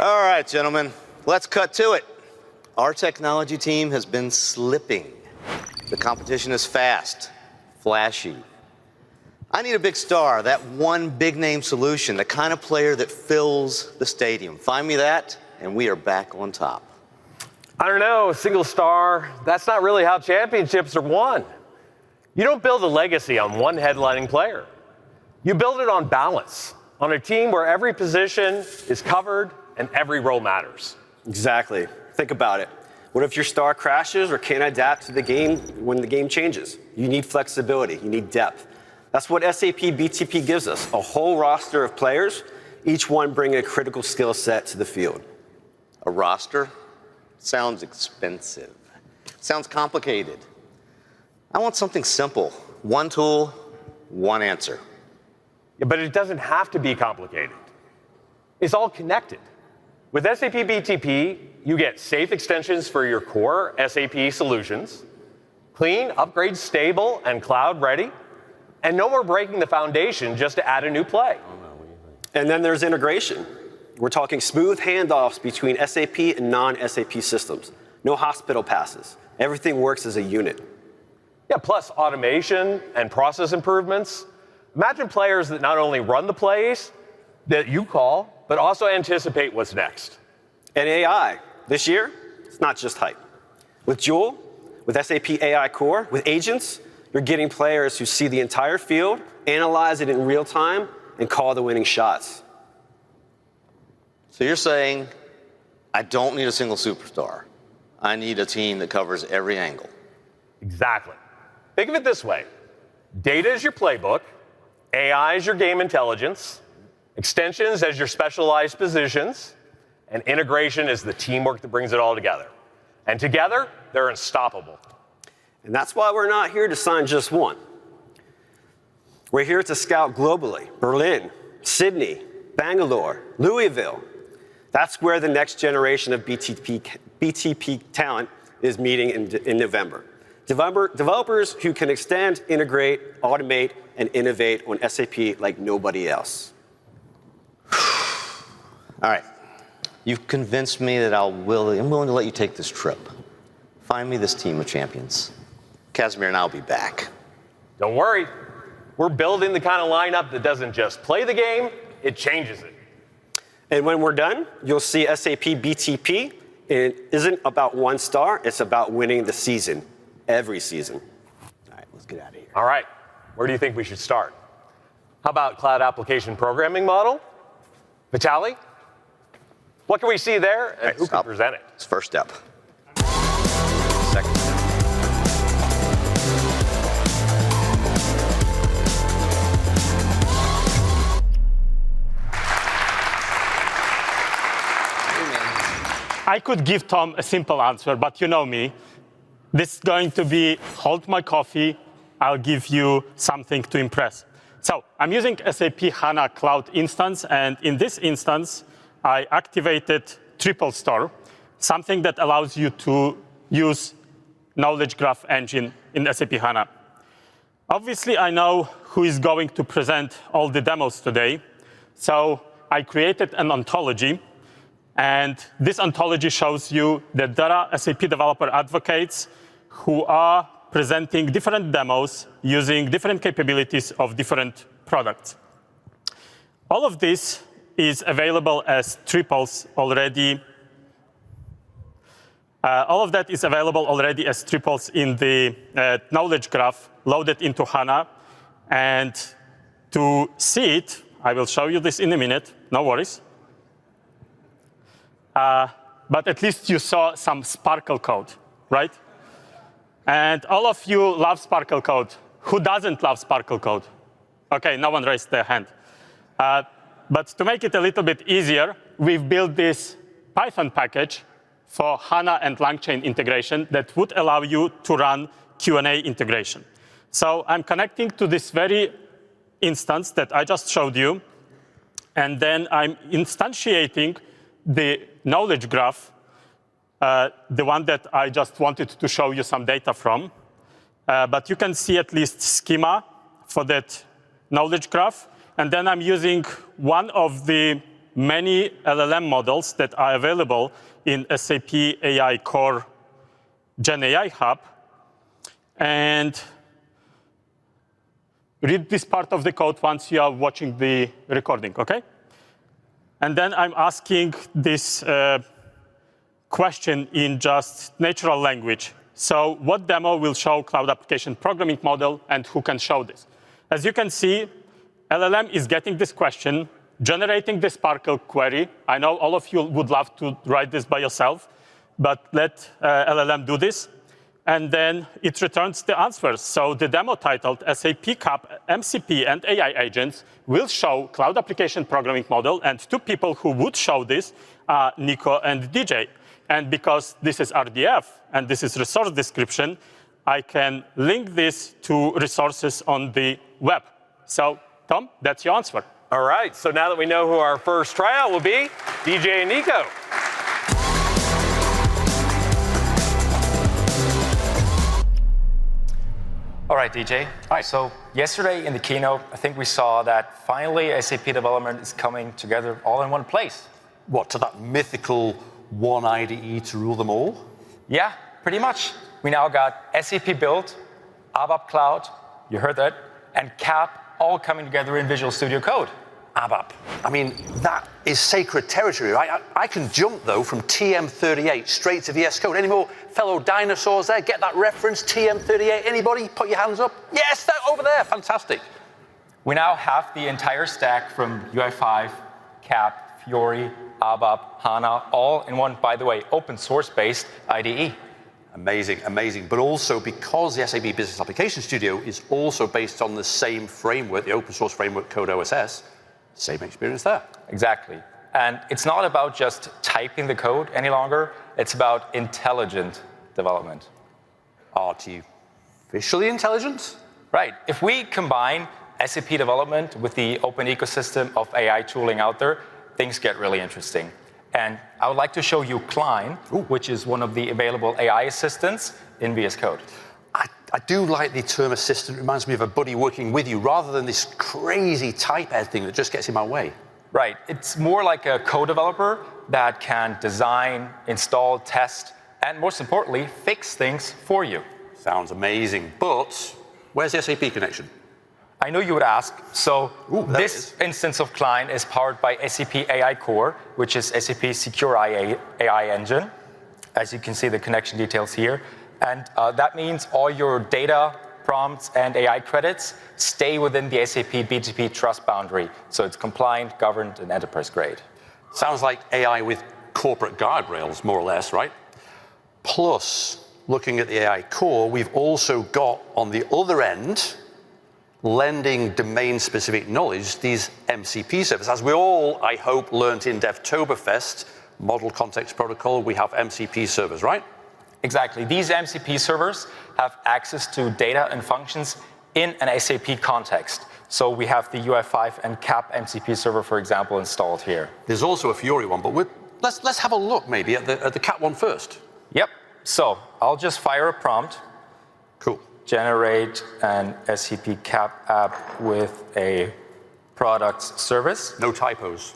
All right, gentlemen, let's cut to it. Our technology team has been slipping. The competition is fast, flashy. I need a big star, that one big-name solution, the kind of player that fills the stadium. Find me that, and we are back on top. I don't know, single star, that's not really how championships are won. You don't build a legacy on one headlining player. You build it on balance, on a team where every position is covered and every role matters. Exactly. Think about it. What if your star crashes or can't adapt to the game when the game changes? You need flexibility, you need depth. That's what SAP BTP gives us: a whole roster of players, each one bringing a critical skill set to the field. A roster? Sounds expensive. Sounds complicated. I want something simple. One tool, one answer. It does not have to be complicated. It is all connected. With SAP BTP, you get safe extensions for your core SAP solutions, clean, upgrade-stable, and cloud-ready, and no more breaking the foundation just to add a new play. Oh no, what do you mean? There is integration. We're talking smooth handoffs between SAP and non-SAP systems. No hospital passes. Everything works as a unit. Yeah, plus automation and process improvements. Imagine players that not only run the plays that you call, but also anticipate what's next. AI, this year, it's not just hype. With Joule, with SAP AI Core, with agents, you're getting players who see the entire field, analyze it in real time, and call the winning shots. You're saying, I don't need a single superstar. I need a team that covers every angle. Exactly. Think of it this way: data is your playbook, AI is your game intelligence, extensions as your specialized positions, and integration is the teamwork that brings it all together. Together, they're unstoppable. That is why we're not here to sign just one. We're here to scout globally: Berlin, Sydney, Bangalore, Louisville. That is where the next generation of BTP talent is meeting in November. Developers who can extend, integrate, automate, and innovate on SAP like nobody else. All right. You've convinced me that I'm willing to let you take this trip. Find me this team of champions. Kazimir and I'll be back. Don't worry. We're building the kind of lineup that doesn't just play the game, it changes it. When we're done, you'll see SAP BTP isn't about one star, it's about winning the season, every season. All right, let's get out of here. All right, where do you think we should start? How about Cloud Application Programming Model? Vitali, what can we see there? All right, who can present it? It's the first step. Second step. I could give Tom a simple answer, but you know me. This is going to be "Hold my coffee, I'll give you something to impress." I am using SAP HANA Cloud Instance, and in this instance, I activated TripleStore, something that allows you to use Knowledge Graph Engine in SAP HANA. Obviously, I know who is going to present all the demos today, so I created an ontology, and this ontology shows you that there are SAP Developer Advocates who are presenting different demos using different capabilities of different products. All of this is available as triples already. All of that is available already as triples in the Knowledge Graph loaded into HANA, and to see it, I will show you this in a minute, no worries. At least you saw some Sparkle Code, right? All of you love Sparkle code. Who does not love Sparkle Code? Okay, no one raised their hand. To make it a little bit easier, we've built this Python package for HANA and LangChain integration that would allow you to run Q&A integration. I'm connecting to this very instance that I just showed you, and then I'm instantiating the Knowledge Graph, the one that I just wanted to show you some data from. You can see at least schema for that Knowledge Graph, and then I'm using one of the many LLM models that are available in SAP AI Core GenAI Hub, and read this part of the code once you are watching the recording, okay? I'm asking this question in just natural language. What demo will show Cloud Application Programming Model and who can show this? As you can see, LLM is getting this question, generating the Sparkle Code query. I know all of you would love to write this by yourself, but let LLM do this, and then it returns the answers. The demo titled "SAP CAP, MCP, and AI Agents" will show Cloud Application Programming Model, and two people who would show this are Nico and DJ. Because this is RDF and this is resource description, I can link this to resources on the web. Tom, that's your answer. All right, so now that we know who our first tryout will be, DJ and Nico. All right, DJ. Hi. Yesterday in the keynote, I think we saw that finally SAP development is coming together all in one place. What, to that mythical one IDE to rule them all? Yeah, pretty much. We now got SAP Build, ABAP Cloud, you heard that, and CAP all coming together in Visual Studio Code. ABAP. I mean, that is sacred territory, right? I can jump though from TM38 straight to VS Code. Any more fellow dinosaurs there? Get that reference, TM38, anybody? Put your hands up. Yes, over there. Fantastic. We now have the entire stack from UI5, CAP, Fiori, ABAP, HANA, all in one, by the way, open source-based IDE. Amazing, amazing. Also because the SAP Business Application Studio is also based on the same framework, the open source framework VS Code OSS, same experience there. Exactly. It is not about just typing the code any longer, it is about intelligent development. Artificially intelligent? Right. If we combine SAP development with the open ecosystem of AI tooling out there, things get really interesting. I would like to show you Klein, which is one of the available AI assistants in VS Code. I do like the term assistant. It reminds me of a buddy working with you rather than this crazy type editing that just gets in my way. Right. It's more like a co-developer that can design, install, test, and most importantly, fix things for you. Sounds amazing, but where's the SAP connection? I know you would ask, so this instance of Klein is powered by SAP AI Core, which is SAP Secure AI Engine. As you can see the connection details here, and that means all your data prompts and AI credits stay within the SAP BTP trust boundary. It is compliant, governed, and enterprise grade. Sounds like AI with corporate guardrails, more or less, right? Plus, looking at the AI Core, we've also got on the other end, lending domain-specific knowledge, these MCP servers. As we all, I hope, learned in DevToberfest, Model Context Protocol, we have MCP servers, right? Exactly. These MCP servers have access to data and functions in an SAP context. We have the UI5 and CAP MCP server, for example, installed here. There's also a Fiori one, but let's have a look maybe at the CAP one first. Yep. I'll just fire a prompt. Cool. Generate an SAP CAP app with a product service. No typos.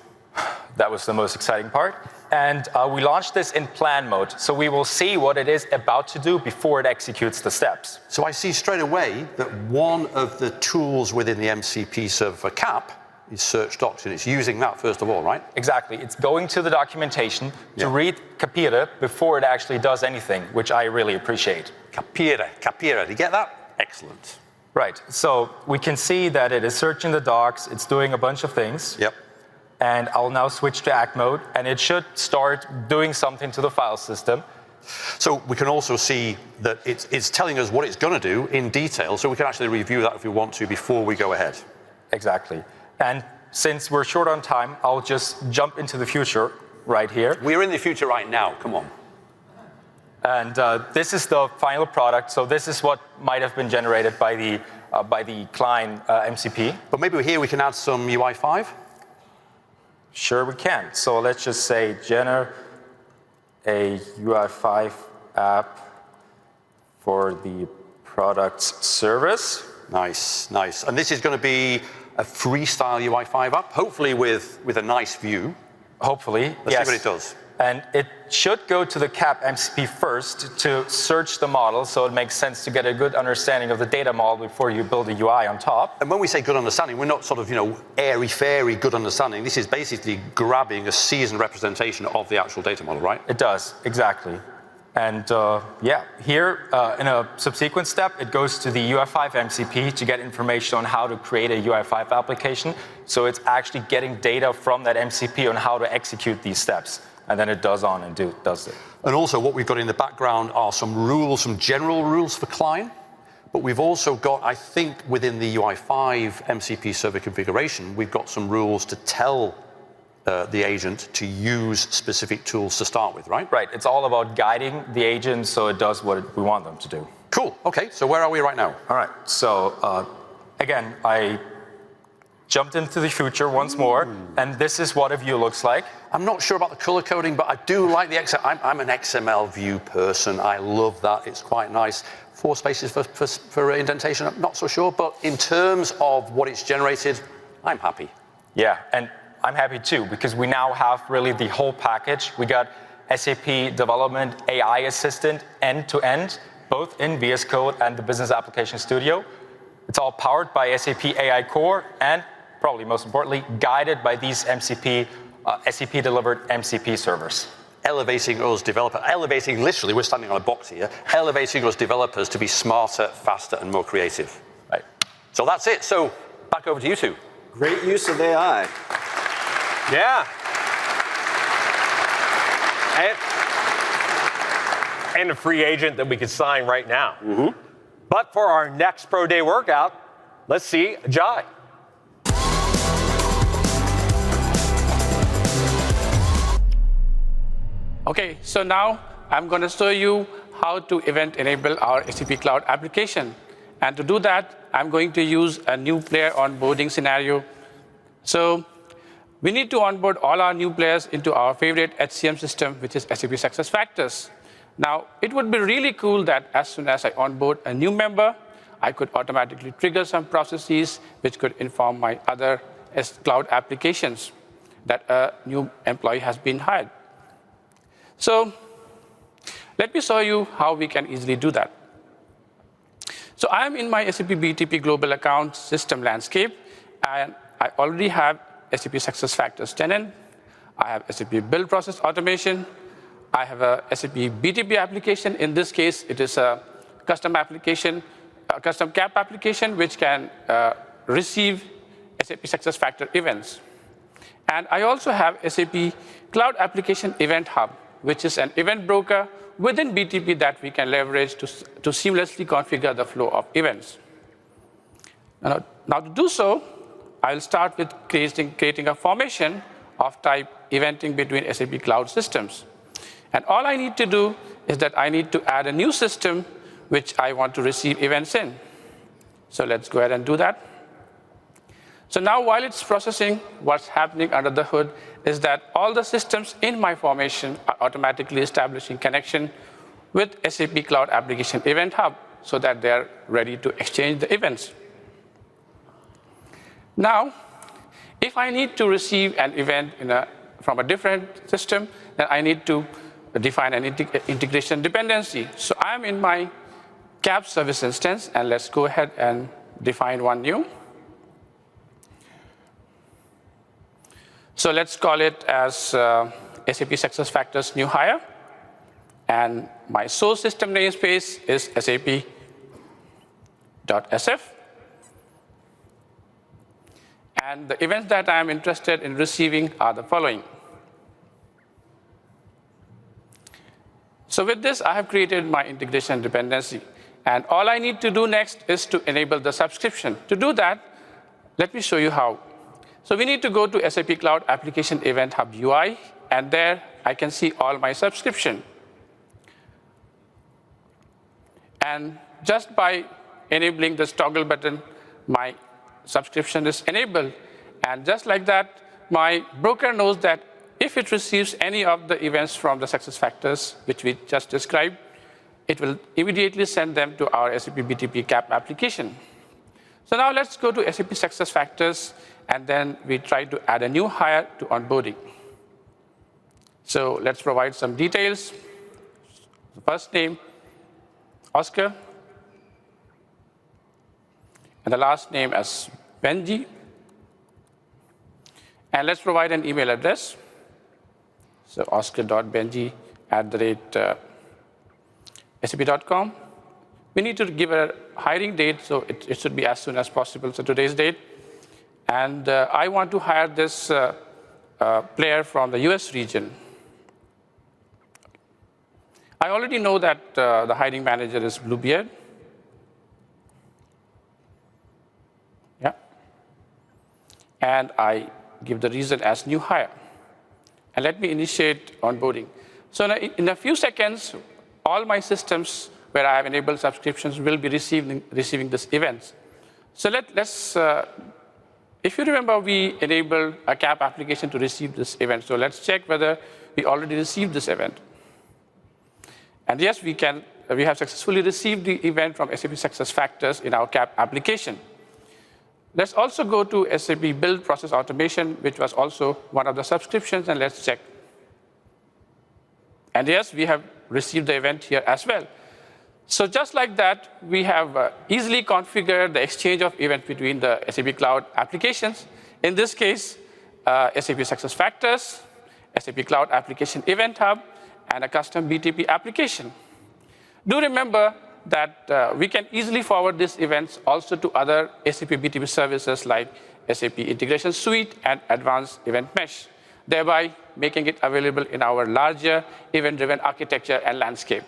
That was the most exciting part. We launched this in plan mode, so we will see what it is about to do before it executes the steps. I see straight away that one of the tools within the MCP server for CAP is Search Docs, and it's using that first of all, right? Exactly. It's going to the documentation to read CAP before it actually does anything, which I really appreciate. Capire, Capire did you get that? Excellent. Right. We can see that it is searching the docs, it's doing a bunch of things. Yep. I'll now switch to act mode, and it should start doing something to the file system. We can also see that it's telling us what it's going to do in detail, so we can actually review that if we want to before we go ahead. Exactly. Since we're short on time, I'll just jump into the future right here. We're in the future right now, come on. This is the final product, so this is what might have been generated by the Klein MCP. Maybe here we can add some UI5? Sure, we can. Let's just say, generate a UI5 app for the product service. Nice, nice. This is going to be a freestyle UI5 app, hopefully with a nice view. Hopefully. Let's see what it does. It should go to the CAP MCP first to search the model, so it makes sense to get a good understanding of the data model before you build a UI on top. When we say good understanding, we're not sort of airy-fairy good understanding. This is basically grabbing a seasoned representation of the actual data model, right? It does, exactly. Yeah, here in a subsequent step, it goes to the UI5 MCP to get information on how to create a UI5 application. It's actually getting data from that MCP on how to execute these steps, and then it goes on and does it. What we've got in the background are some rules, some general rules for Klein, but we've also got, I think within the UI5 app's MCP server configuration, we've got some rules to tell the agent to use specific tools to start with, right? Right. It's all about guiding the agent so it does what we want them to do. Cool. Okay, where are we right now? All right. Again, I jumped into the future once more, and this is what a view looks like. I'm not sure about the color coding, but I do like the XML. I'm an XML view person. I love that. It's quite nice. Four spaces for indentation, I'm not so sure, but in terms of what it's generated, I'm happy. Yeah, and I'm happy too, because we now have really the whole package. We got SAP Development AI Assistant end-to-end, both in VS Code and the Business Application Studio. It's all powered by SAP AI Core and probably most importantly, guided by these SAP delivered MCP servers. Elevating us developers. Elevating, literally, we're standing on a box here. Elevating us developers to be smarter, faster, and more creative. Right. That's it. Back over to you two. Great use of AI. Yeah. A free agent that we could sign right now. For our next pro day workout, let's see a Ajay. Okay, so now I'm going to show you how to event enable our SAP Cloud application. To do that, I'm going to use a new player onboarding scenario. We need to onboard all our new players into our favorite HCM system, which is SAP SuccessFactors. Now, it would be really cool that as soon as I onboard a new member, I could automatically trigger some processes which could inform my other cloud applications that a new employee has been hired. Let me show you how we can easily do that. I'm in my SAP BTP global account system landscape, and I already have SAP SuccessFactors tenant. I have SAP Build Process Automation. I have an SAP BTP application. In this case, it is a custom CAP application which can receive SAP SuccessFactors events. I also have SAP Cloud Application Event Hub, which is an event broker within BTP that we can leverage to seamlessly configure the flow of events. To do so, I'll start with creating a formation of type Eventing between SAP Cloud systems. All I need to do is add a new system which I want to receive events in. Let's go ahead and do that. Now, while it's processing, what's happening under the hood is that all the systems in my formation are automatically establishing connection with SAP Cloud Application Event Hub so that they're ready to exchange the events. If I need to receive an event from a different system, then I need to define an integration dependency. I'm in my CAP service instance, and let's go ahead and define one new. Let's call it SAP SuccessFactors new hire. My source system namespace is SAP.SF. The events that I'm interested in receiving are the following. With this, I have created my integration dependency, and all I need to do next is to enable the subscription. To do that, let me show you how. We need to go to SAP Cloud Application Event Hub UI, and there I can see all my subscriptions. Just by enabling the toggle button, my subscription is enabled. Just like that, my broker knows that if it receives any of the events from SuccessFactors which we just described, it will immediately send them to our SAP BTP CAP application. Now let's go to SAP SuccessFactors, and then we try to add a new hire to onboarding. Let's provide some details. First name, Oscar, and the last name as Benji. Let's provide an email address, so oscar.benji@sap.com. We need to give a hiring date. It should be as soon as possible, so today's date. I want to hire this player from the US region. I already know that the hiring manager is Blue Beard. Yeah. I give the reason as new hire. Let me initiate onboarding. In a few seconds, all my systems where I have enabled subscriptions will be receiving these events. If you remember, we enabled a CAP application to receive this event, so let's check whether we already received this event. Yes, we have successfully received the event from SAP SuccessFactors in our CAP application. Let's also go to SAP Build Process Automation, which was also one of the subscriptions, and let's check. Yes, we have received the event here as well. Just like that, we have easily configured the exchange of events between the SAP Cloud applications. In this case, SAP SuccessFactors, SAP Cloud Application Event Hub, and a custom BTP application. Do remember that we can easily forward these events also to other SAP BTP services like SAP Integration Suite and Advanced Event Mesh, thereby making it available in our larger event-driven architecture and landscape.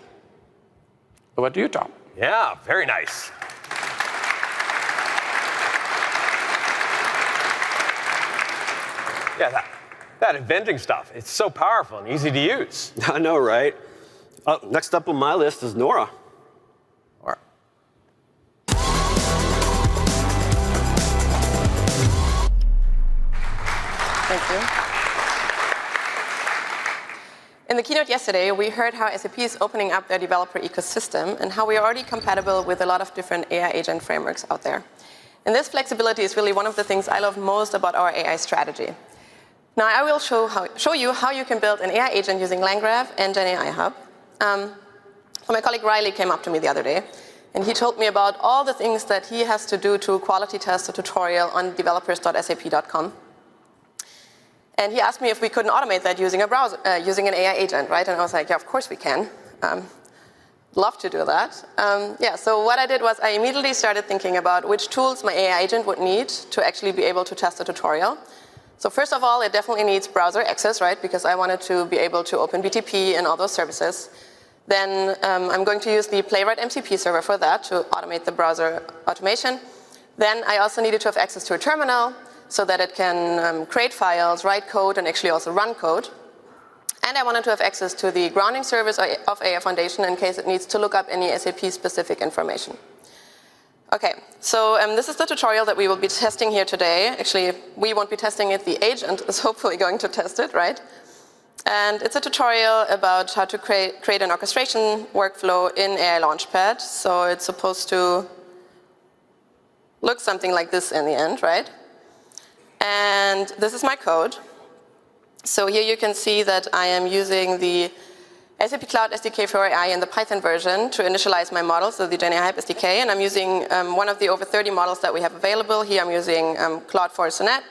Over to you, Tom. Yeah, very nice. Yeah, that Eventing stuff, it's so powerful and easy to use. I know, right? Next up on my list is Nora. Nora. Thank you. In the keynote yesterday, we heard how SAP is opening up their developer ecosystem and how we are already compatible with a lot of different AI agent frameworks out there. This flexibility is really one of the things I love most about our AI strategy. Now, I will show you how you can build an AI agent using LangGraph and GenAI Hub. My colleague Riley came up to me the other day and he told me about all the things that he has to do to quality test a tutorial on developers.sap.com. He asked me if we could not automate that using an AI agent, right? I was like, yeah, of course we can. Love to do that. Yeah, what I did was I immediately started thinking about which tools my AI agent would need to actually be able to test a tutorial. First of all, it definitely needs browser access, right? Because I wanted to be able to open BTP and other services. I am going to use the Playwright MCP server for that to automate the browser automation. I also needed to have access to a terminal so that it can create files, write code, and actually also run code. I wanted to have access to the grounding service of AI Foundation in case it needs to look up any SAP-specific information. Okay, this is the tutorial that we will be testing here today. Actually, we will not be testing it; the agent is hopefully going to test it, right? It is a tutorial about how to create an orchestration workflow in AI Launchpad. It is supposed to look something like this in the end, right? This is my code. Here you can see that I am using the SAP Cloud SDK for AI and the Python version to initialize my models, so the GenAI Hub SDK. I'm using one of the more than 30 models that we have available. Here I'm using Claude for Sonnet.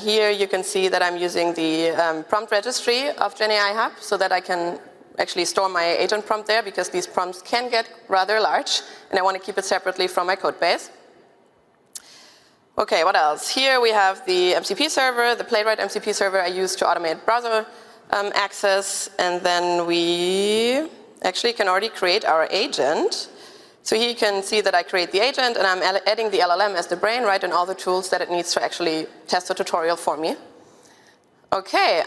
Here you can see that I'm using the prompt registry of GenAI Hub so that I can actually store my agent prompt there because these prompts can get rather large, and I want to keep it separately from my code base. Okay, what else? Here we have the MCP server, the Playwright MCP server I use to automate browser access, and then we actually can already create our agent. Here you can see that I create the agent, and I'm adding the LLM as the brain, right, and all the tools that it needs to actually test a tutorial for me. Okay,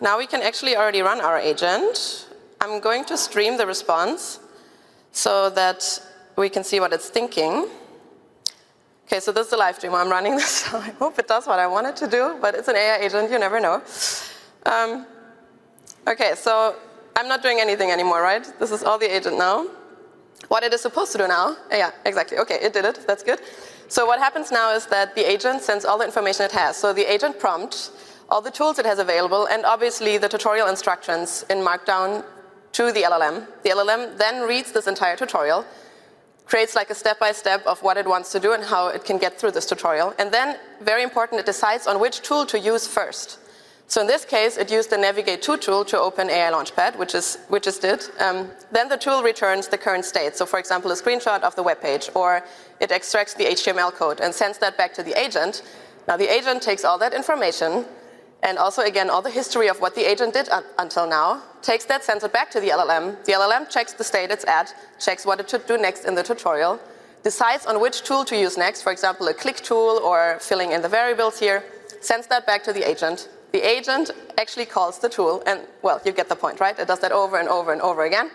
now we can actually already run our agent. I'm going to stream the response so that we can see what it's thinking. Okay, this is the live stream while I'm running this, so I hope it does what I want it to do, but it's an AI agent, you never know. Okay, I'm not doing anything anymore, right? This is all the agent now. What it is supposed to do now, yeah, exactly. Okay, it did it, that's good. What happens now is that the agent sends all the information it has. The agent prompts, all the tools it has available, and obviously the tutorial instructions in Markdown to the LLM. The LLM then reads this entire tutorial, creates like a step-by-step of what it wants to do and how it can get through this tutorial. Very important, it decides on which tool to use first. In this case, it used the Navigate-to tool to open AI Launchpad, which it did. The tool returns the current state. For example, a screenshot of the webpage, or it extracts the HTML code and sends that back to the agent. Now the agent takes all that information and also, again, all the history of what the agent did until now, takes that, sends it back to the LLM. The LLM checks the state it's at, checks what it should do next in the tutorial, decides on which tool to use next, for example, a click tool or filling in the variables here, sends that back to the agent. The agent actually calls the tool, and you get the point, right? It does that over and over and over again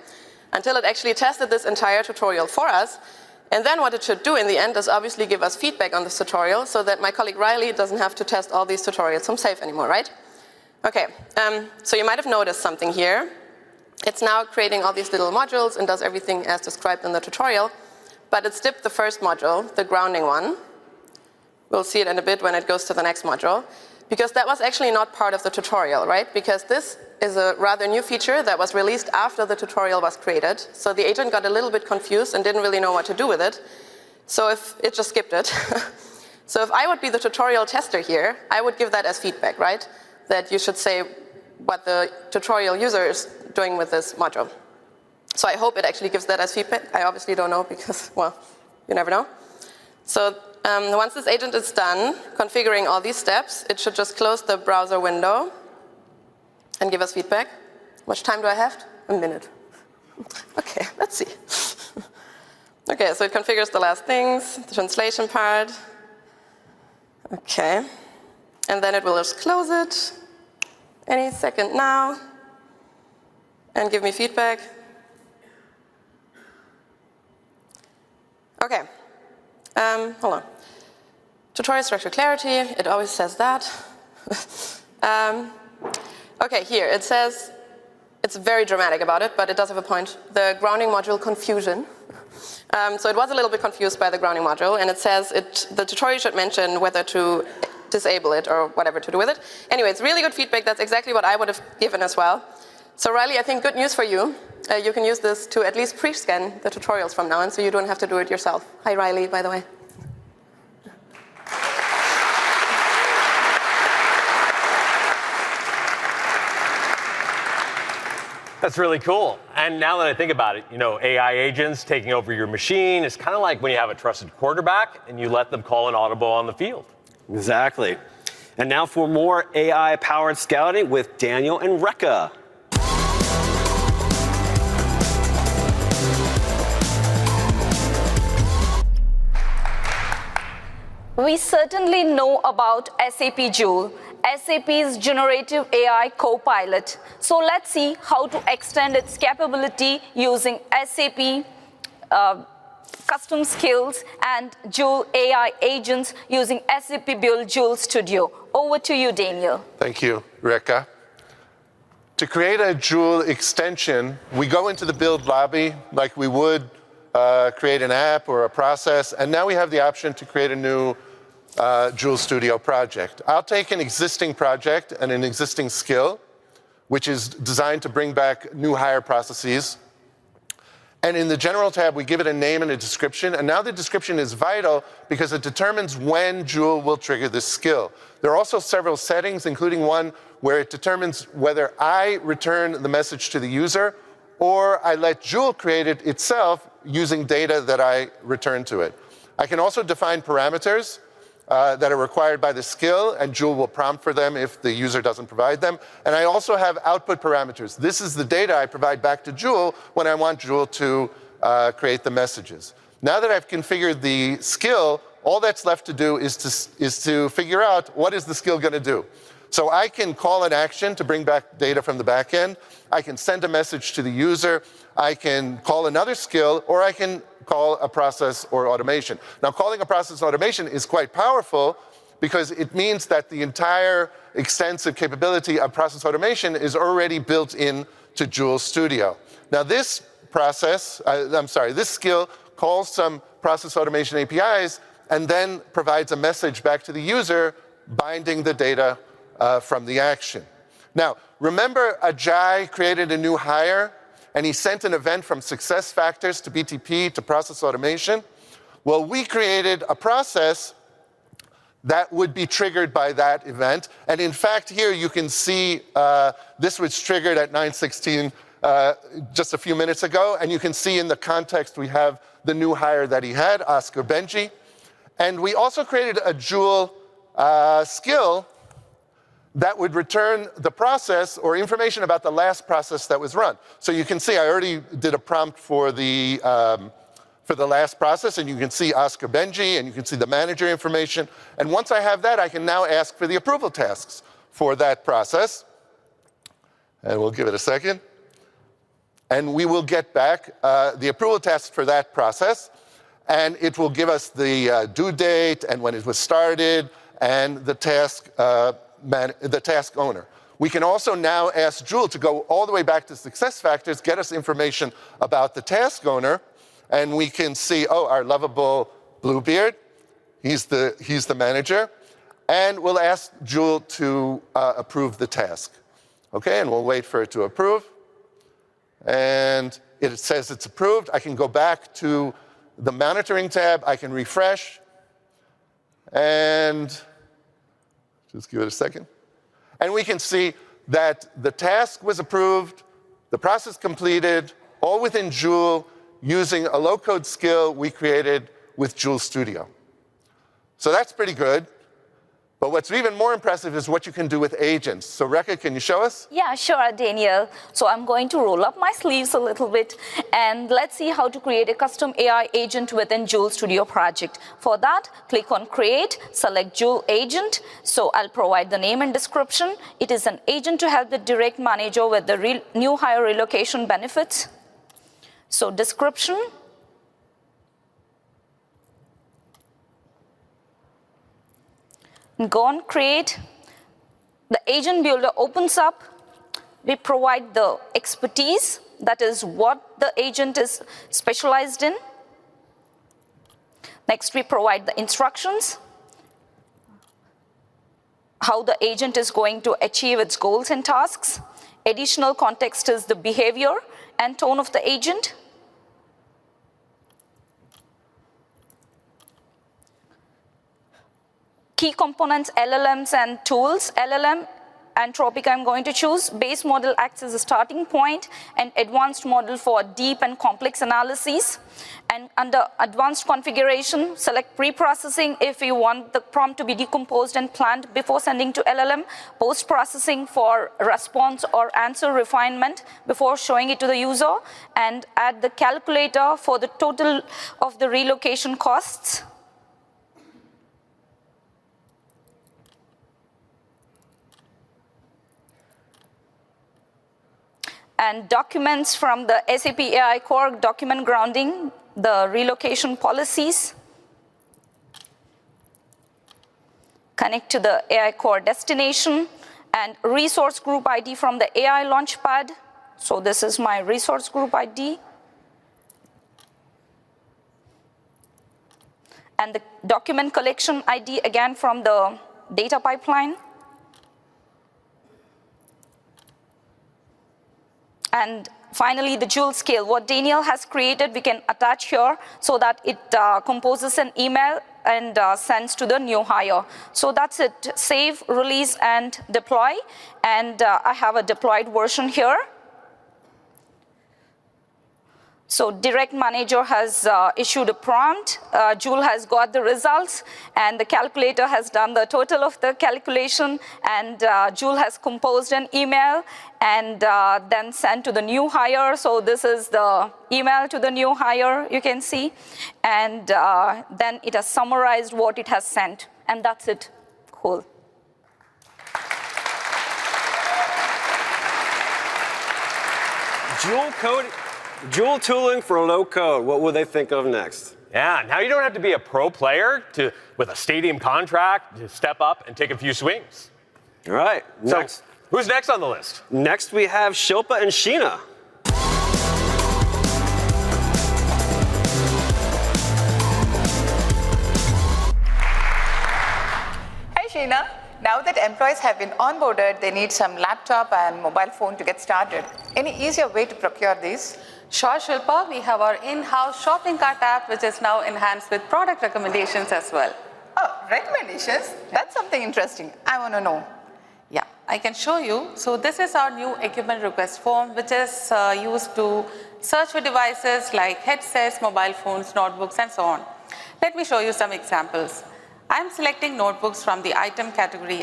until it actually tested this entire tutorial for us. What it should do in the end is obviously give us feedback on this tutorial so that my colleague Riley does not have to test all these tutorials from SAP anymore, right? You might have noticed something here. It is now creating all these little modules and does everything as described in the tutorial, but it skipped the first module, the grounding one. We will see it in a bit when it goes to the next module, because that was actually not part of the tutorial, right? This is a rather new feature that was released after the tutorial was created. The agent got a little bit confused and did not really know what to do with it, so it just skipped it. If I would be the tutorial tester here, I would give that as feedback, right? That you should say what the tutorial user is doing with this module. I hope it actually gives that as feedback. I obviously do not know because, you never know. Once this agent is done configuring all these steps, it should just close the browser window and give us feedback. How much time do I have? A minute. Okay, let's see. It configures the last things, the translation part. Okay, and then it will just close it any second now and give me feedback. Hold on. Tutorial structure clarity, it always says that. Okay, here it says, it's very dramatic about it, but it does have a point. The grounding module confusion. It was a little bit confused by the grounding module, and it says the tutorial should mention whether to disable it or whatever to do with it. Anyway, it's really good feedback. That's exactly what I would have given as well. Riley, I think good news for you. You can use this to at least prescan the tutorials from now, and you don't have to do it yourself. Hi, Riley, by the way. That's really cool. Now that I think about it, you know, AI agents taking over your machine is kind of like when you have a trusted quarterback and you let them call an audible on the field. Exactly. Now for more AI-powered scouting with Daniel and Rekha. We certainly know about SAP Joule, SAP's generative AI copilot. Let's see how to extend its capability using SAP custom skills and Joule AI agents using SAP Build Joule Studio. Over to you, Daniel. Thank you, Rekha. To create a Joule extension, we go into the Build lobby like we would create an app or a process, and now we have the option to create a new Joule Studio project. I'll take an existing project and an existing skill, which is designed to bring back new hire processes. In the General tab, we give it a name and a description, and now the description is vital because it determines when Joule will trigger this skill. There are also several settings, including one where it determines whether I return the message to the user or I let Joule create it itself using data that I return to it. I can also define parameters that are required by the skill, and Joule will prompt for them if the user doesn't provide them. I also have output parameters. This is the data I provide back to Joule when I want Joule to create the messages. Now that I've configured the skill, all that's left to do is to figure out what the skill is going to do. I can call an action to bring back data from the backend. I can send a message to the user. I can call another skill, or I can call a process or automation. Calling a process automation is quite powerful because it means that the entire extensive capability of process automation is already built into Joule Studio. This process—I'm sorry, this skill—calls some process automation APIs and then provides a message back to the user, binding the data from the action. Now, remember Ajay created a new hire, and he sent an event from SuccessFactors to BTP to process automation? We created a process that would be triggered by that event. In fact, here you can see this was triggered at 9:16 just a few minutes ago, and you can see in the context we have the new hire that he had, Oscar Benji. We also created a Joule skill that would return the process or information about the last process that was run. You can see I already did a prompt for the last process, and you can see Oscar Benji, and you can see the manager information. Once I have that, I can now ask for the approval tasks for that process. We'll give it a second. We will get back the approval tasks for that process, and it will give us the due date and when it started and the task owner. We can also now ask Joule to go all the way back to SuccessFactors, get us information about the task owner, and we can see, oh, our lovable Blue Beard; he's the manager. We will ask Joule to approve the task. Okay, we will wait for it to approve. It says it’s approved. I can go back to the monitoring tab. I can refresh. Just give it a second. We can see that the task was approved, the process completed, all within Joule using a low-code skill we created with Joule Studio. That is pretty good. What is even more impressive is what you can do with agents. Rekha, can you show us? Yeah, sure, Daniel. I'm going to roll up my sleeves a little bit and let's see how to create a custom AI agent within Joule Studio Project. For that, click on Create, select Joule Agent. I'll provide the name and description. It is an agent to help the direct manager with the new hire relocation benefits. Description. Go on Create. The agent builder opens up. We provide the expertise; that is what the agent is specialized in. Next, we provide the instructions—how the agent is going to achieve its goals and tasks. Additional context is the behavior and tone of the agent. Key components, LLMs and tools, LLM and Anthropic I'm going to choose. Base model acts as a starting point and advanced model for deep and complex analysis. Under advanced configuration, select pre-processing if you want the prompt to be decomposed and planned before sending to the LLM. Post-processing is for response or answer refinement before showing it to the user. Add the calculator for the total of the relocation costs. Documents from the SAP AI Core document grounding, the relocation policies. Connect to the AI Core destination and resource group ID from the AI Launchpad. This is my resource group ID. The document collection ID again from the data pipeline. Finally, the Joule scale, what Daniel has created, we can attach here so that it composes an email and sends it to the new hire. That’s it. Save, release, and deploy. I have a deployed version here. Direct manager has issued a prompt. Joule has got the results, and the calculator has done the total of the calculation, and Joule has composed an email and then sent it to the new hire. This is the email to the new hire, you can see. It has summarized what it has sent, and that's it. Cool. Joule tooling for low code, what will they think of next? Yeah, now you don't have to be a pro player with a stadium contract to step up and take a few swings. All right, who's next on the list? Next we have Shilpa and Sheena. Hey, Sheena. Now that employees have been onboarded, they need a laptop and mobile phone to get started. Any easier way to procure these? Sure, Shilpa. We have our in-house shopping cart app, which is now enhanced with product recommendations as well. Oh, recommendations? That's something interesting. I want to know. Yeah, I can show you. This is our new equipment request form, which is used to search for devices like headsets, mobile phones, notebooks, and so on. Let me show you some examples. I'm selecting notebooks from the item category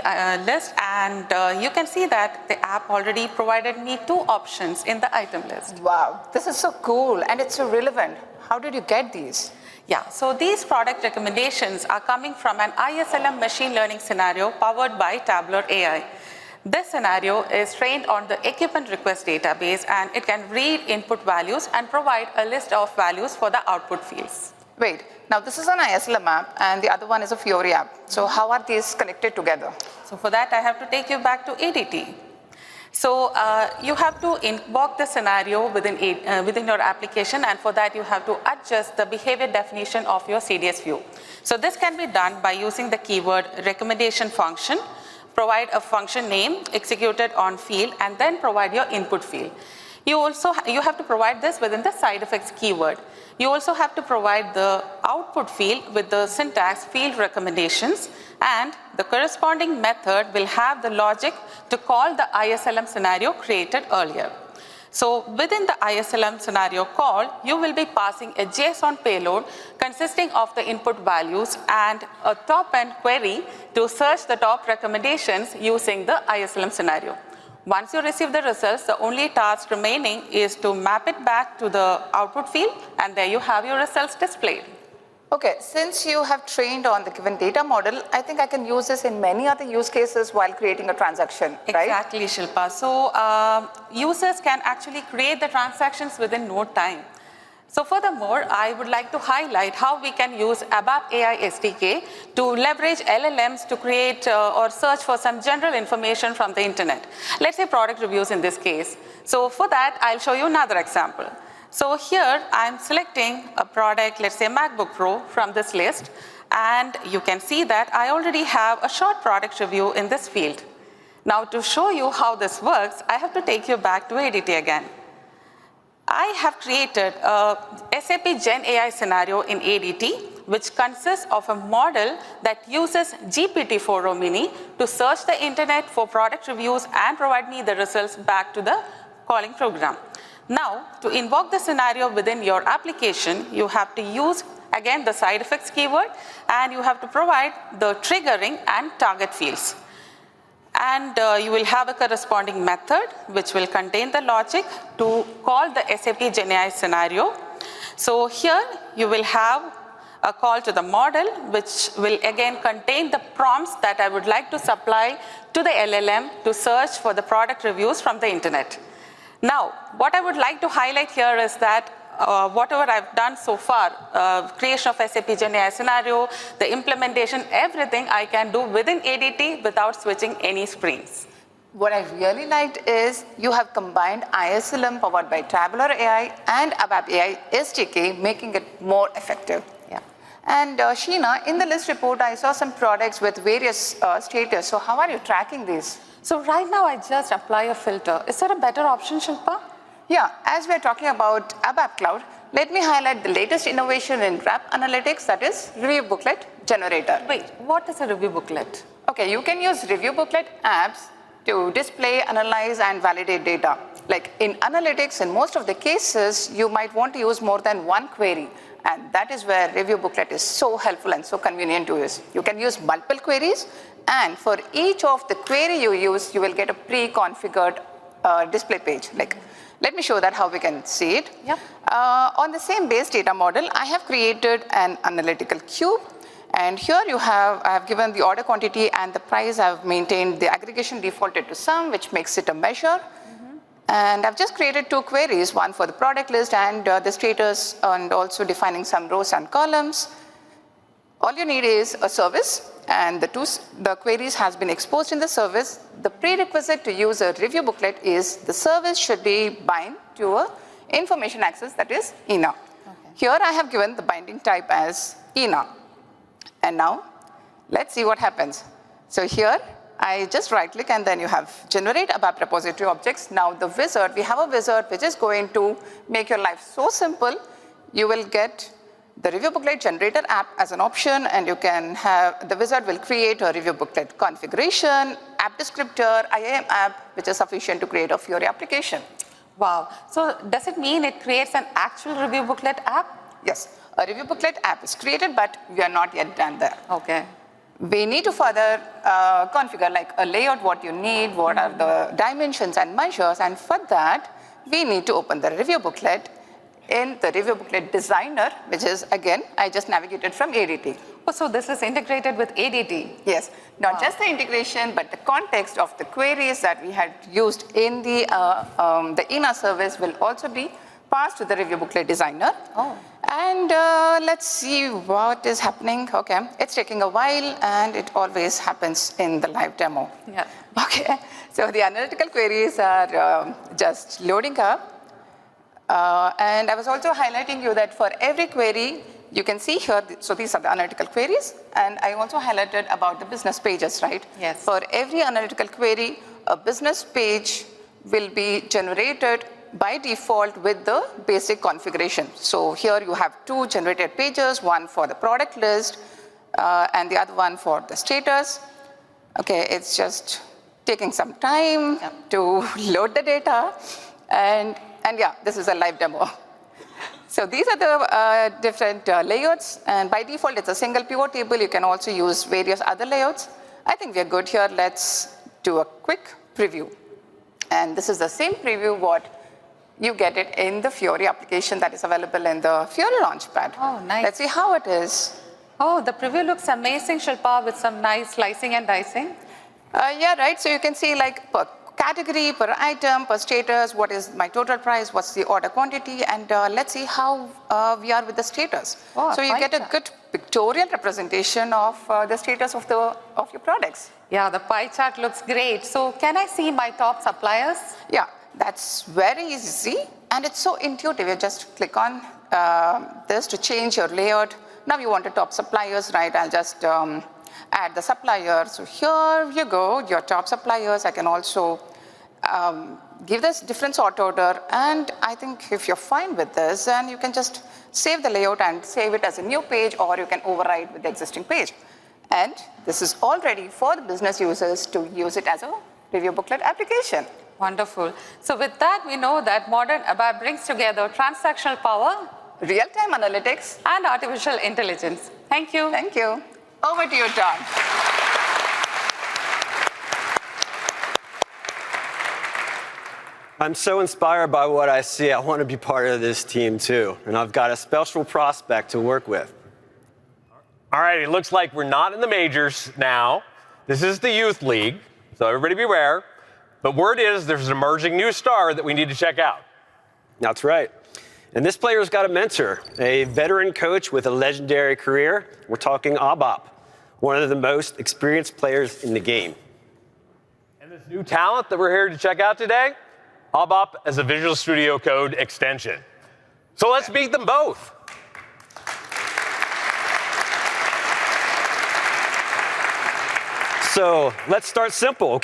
list, and you can see that the app already provided me two options in the item list. Wow, this is so cool, and it's so relevant. How did you get these? Yeah, so these product recommendations are coming from an ISLM machine learning scenario powered by Tableau AI. This scenario is trained on the equipment request database, and it can read input values and provide a list of values for the output fields. Great. Now this is an ISLM app, and the other one is a Fiori app. How are these connected together? For that, I have to take you back to ADT. You have to inbox the scenario within your application, and for that, you have to adjust the behavior definition of your CDS view. This can be done by using the keyword “recommendation” function, provide a function name executed on field, and then provide your input field. You have to provide this within the side effects keyword. You also have to provide the output field with the syntax “field recommendations,” and the corresponding method will have the logic to call the ISLM scenario created earlier. Within the ISLM scenario call, you will be passing a JSON payload consisting of the input values and a top-end query to search the top recommendations using the ISLM scenario. Once you receive the results, the only task remaining is to map it back to the output field, and there you have your results displayed. Okay, since you have trained on the given data model, I think I can use this in many other use cases while creating a transaction, right? Exactly, Shilpa. Users can create the transactions in no time. I would also like to highlight how we can use the ABAP AI SDK to leverage LLMs to create or search for general information from the internet—for example, product reviews. Let me show you another example. I'm selecting a product, let’s say a MacBook Pro, from this list, and you can see that a short product review already appears in the field. To show you how this works, I need to take you back to ADT. I have created an SAP GenAI scenario in ADT that uses a model based on GPT-40 Mini to search the internet for product reviews and return the results to the calling program. Now, to invoke the scenario within your application, you need to use the side effects keyword again and provide the triggering and target fields. You will have a corresponding method that contains the logic to call the SAP GenAI scenario. In this method, you call the model, which contains the prompts that I want to supply to the LLM to search for the product reviews from the internet. What I want to highlight here is that everything I’ve done so far—creating the SAP GenAI scenario, the implementation—can all be done within ADT without switching screens. What I really liked is you have combined ISLM powered by Tableau AI and ABAP AI SDK, making it more effective. Yeah. Sheena, in the list report, I saw some products with various status. How are you tracking these? Right now, I just apply a filter. Is there a better option, Shilpa? Since we're talking about ABAP Cloud, let me highlight the latest innovation in graph analytics, which is the review booklet generator. Wait, what is a review booklet? You can use review booklet apps to display, analyze, and validate data. In analytics, you often need more than one query, and that’s where the review booklet is so helpful and convenient. You can use multiple queries, and for each one, you will get a pre-configured display page. Let me show how we can see it. Yeah. On the same base data model, I have created an analytical cube. Here, I have given the order quantity and the price. I’ve kept the aggregation defaulted to sum, which makes it a measure. I’ve created two queries: one for the product list and the status, and one defining some rows and columns. All you need is a service, and the queries have been exposed in the service. The prerequisite to use a review booklet is that the service must be bound to information access, and that is enough. Here, I have set the binding type as “enough.” Now let’s see what happens. I just right-click, and then you can generate ABAP repository objects. The wizard is going to make your life so simple. You will get the review booklet generator app as an option, and the wizard will create a review booklet configuration, an app descriptor, an IAM app, and everything needed to create a Fiori application. It does create an actual review booklet app Yes, a review booklet app is created, but we are not finished yet. Okay. We need to further configure it based on what you need, such as dimensions and measures. For that, we need to open the review booklet in the Review Booklet Designer, which I navigated to from ADT. This is integrated with ADT. It’s not just the integration. The context of the queries used in the service will also be passed to the Review Booklet Designer. Oh. Let's see what is happening. it's taking a while, which always happens in the live demo. Yeah. The analytical queries are loading now. For each query, you can see the analytical details, and I also highlighted the business pages. Yes. For every analytical query, a business page is generated by default with the basic configuration. Here you have two generated pages: one for the product list and another for the status. It is taking some time to load the data because this is a live demo. These are the different layouts, and by default, it is a single pivot table. You can also use other layouts. Everything looks good. Let's do a quick preview. This is the same preview you get in the Fiori application available in the Fiori Launchpad. Oh, nice. Let's see how it is. The preview looks excellent, with clear slicing and dicing. You can view data by category, item, and status, including total price and order quantity. This also helps us understand where we stand with the current status. Wow. You get a good pictorial representation of your products status. The pie chart looks great. Can I view my top suppliers? Yes, that’s very easy and intuitive. You can click here to change your layout. Since you want top suppliers, I’ll just add them. Here you go—your top suppliers. I can also apply a different sort order. If you're fine with this, you can save the layout as a new page or override the existing page. This is now ready for business users to use as a review booklet application. Wonderful. With that, we know that modern ABAP brings together transactional power. Real-time analytics. Artificial intelligence. Thank you. Thank you. Over to you, John. I'm so inspired by what I see. I want to be part of this team too, and I've got a special prospect to work with. All right, it looks like we're not in the majors now. This is the youth league, so everybody beware. The word is there's an emerging new star that we need to check out. That's right. This player's got a mentor, a veteran coach with a legendary career. We're talking ABAP, one of the most experienced players in the game. This new talent that we're here to check out today, ABAP as a Visual Studio Code extension. Let's meet them both. Let’s start simple.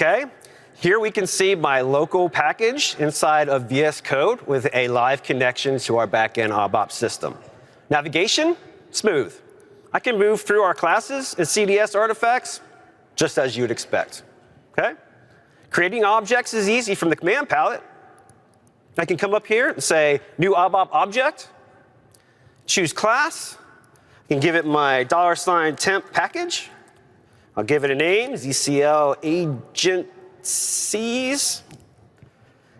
Here we can see my local package inside VS Code with a live connection to our backend ABAP system. Navigation is smooth, and I can move through our classes and CDS artifacts just as you’d expect. Creating objects is easy from the command palette. I can come here and choose “New ABAP Object,” then select “Class.” I can assign it to my $temp package, give it a name, ZCL Agent C’s,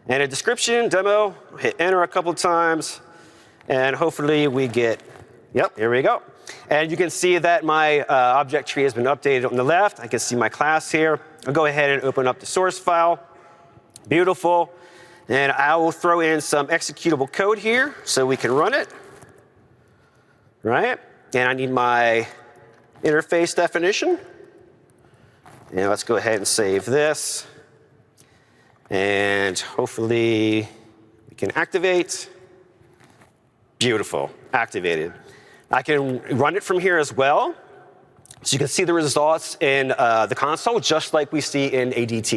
and a description such as “Demo.” After hitting Enter a couple of times, the new object appears. Now you can see the object tree updated on the left. Let’s go ahead and save this. Hopefully, we can activate it. Excellent — it activated successfully. I can also run it from here. You can see the results in the console, just like we see in ADT.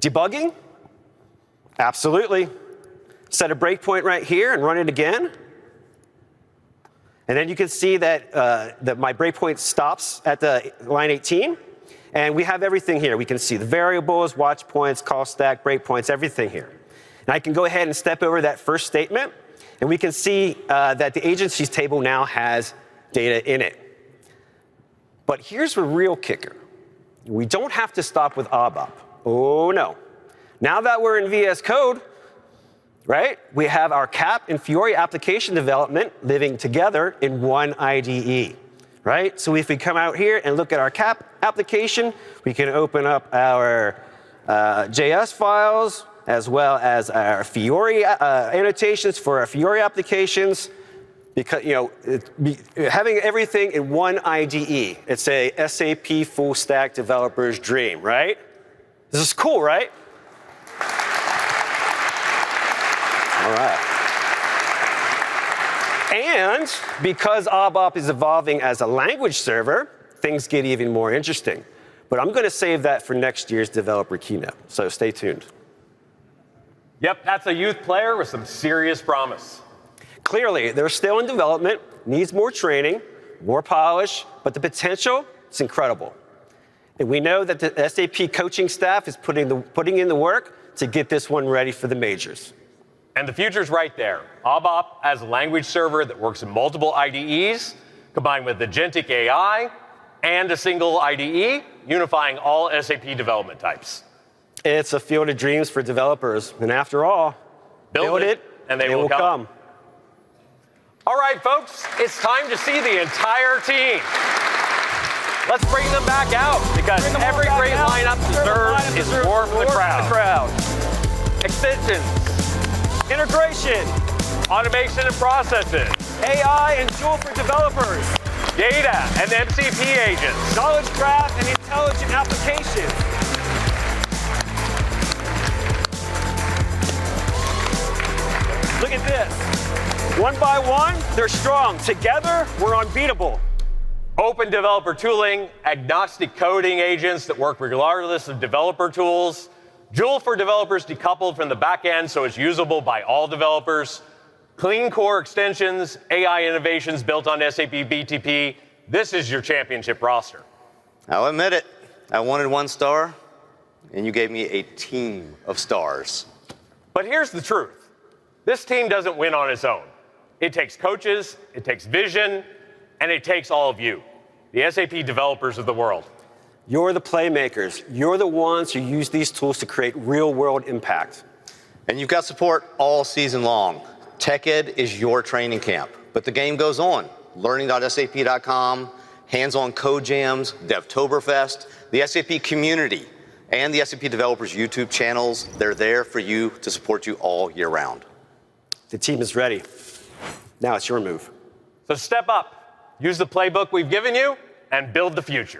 Debugging works perfectly as well. I can set a breakpoint right here and run it again. You can see that execution stops at line 18, and all the details are available. We can inspect variables, watchpoints, the call stack, and breakpoints — everything is here. I’ll step over the first statement, and now you can see that the Agencies table has new data in it. Here’s the real highlight: we’re not limited to ABAP. Now that we’re in Visual Studio Code, we have CAP and Fiori application development available in the same IDE. If we look at our CAP application, we can open our JavaScript files as well as the Fiori annotations for our Fiori applications. Having everything in a single IDE makes it a full-stack SAP developer’s dream. This is exciting. As ABAP continues to evolve as a language server, things become even more interesting. I’ll save the rest for next year’s developer keynote, so stay tuned. This is a promising new solution. It is still in development and needs additional training and refinement, but the potential is incredible. The SAP team is putting in the work to prepare it for full readiness. The future looks strong. ABAP as a language server operating across multiple IDEs, combined with agentic AI and a single integrated development environment, unifies all SAP development types. It’s a field of possibilities for developers. Build it and they will come. It’s time to see the entire team. Every great lineup deserves attention. Extensions, integration, automation, and processes, along with AI and tools for developers, data and MCP agents, knowledge graphs, and intelligent applications — all coming together. Each component is strong on its own, and together they become unbeatable. With open developer tooling, agnostic coding agents that work across developer tools, and Joule for developers decoupled from the backend so it’s usable by everyone, clean core extensions, and AI innovations built on SAP BTP — this is the championship roster. I'll admit it. I wanted one star, and you gave me a team of stars. Here’s the truth: this team doesn’t win on its own. It takes coaches, it takes vision, and it takes every one of you — the SAP developers around the world You're the playmakers. You're the ones who use these tools to create real-world impact. You’ve had support all season long. TechEd is your training camp, but the game continues. Learning.sap.com, hands-on code jams, DevToberfest, the SAP community, and the SAP Developers YouTube channels — they are all here to support you throughout the year. The team is ready. Now it's your move. Step up, use the playbook we've given you, and build the future.